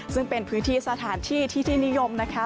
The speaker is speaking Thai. ซึ่งเป็นพื้นที่สถานที่ที่ที่นิยมนะคะ